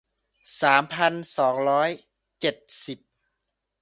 สามพันสองร้อยเจ็ดสิบ